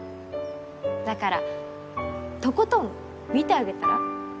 だからとことん見てあげたら？